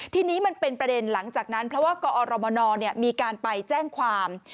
ทีนี้มันเป็นประเด็นหลังจากนั้นเพราะว่ากอรมนมีการไปแจ้งความ